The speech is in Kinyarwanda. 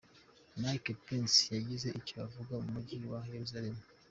Mike Pince yagize icyo avuga ku Mujyi wa Yeruzalemu.